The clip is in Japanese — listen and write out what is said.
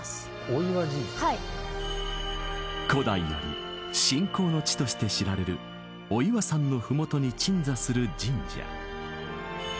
はい古代より信仰の地として知られる御岩山の麓に鎮座する神社